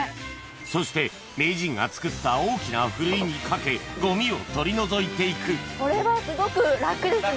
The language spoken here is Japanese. そして名人が作った大きなふるいにかけゴミを取り除いて行くこれはすごく楽ですね。